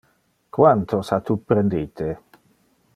Quantos ha tu prendite?